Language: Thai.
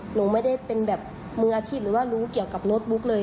หนูไม่ได้เป็นแบบมืออาชีพหรือว่ารู้เกี่ยวกับโน้ตบุ๊กเลย